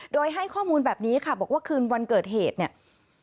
โดยให้ข้อมูลแบบนี้ค่ะบอกว่าคืนวันเกิดเหตุเนี่ย